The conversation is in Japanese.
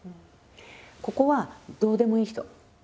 ここはどうでもいい人。